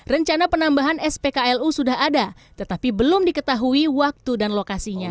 rencana penambahan spklu sudah ada tetapi belum diketahui waktu dan lokasinya